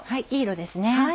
いい色ですね